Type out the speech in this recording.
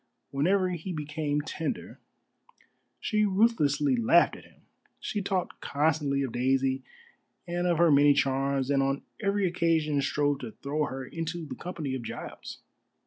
Whenever he became tender, she ruthlessly laughed at him: she talked constantly of Daisy and of her many charms, and on every occasion strove to throw her into the company of Giles.